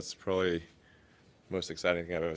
itu mungkin hal paling menarik yang pernah saya lihat